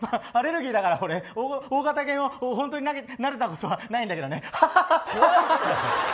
アレルギーだから、俺大型犬を本当になでたことはないんだけどね。